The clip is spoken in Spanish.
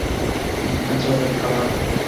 Encuentros de trabajo.